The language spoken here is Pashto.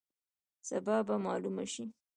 سبا به معلومه شي.